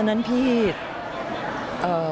ครั้งแรกที่ได้ยินทางที่เธอรู้สึกอย่างไร